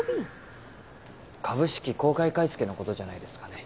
株式公開買い付けのことじゃないですかね。